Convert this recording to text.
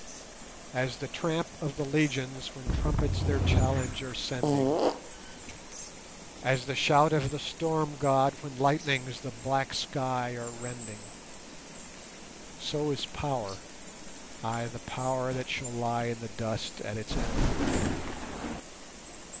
As the tramp of the legions when trumpets their challenge are sending, As the shout of the Storm god when lightnings the black sky are rending, So is power! ay, the power that shall lie in the dust at its ending.